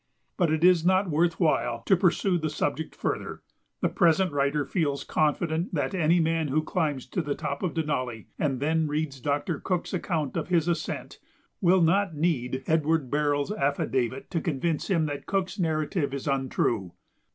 But it is not worth while to pursue the subject further. The present writer feels confident that any man who climbs to the top of Denali, and then reads Doctor Cook's account of his ascent, will not need Edward Barrille's affidavit to convince him that Cook's narrative is untrue.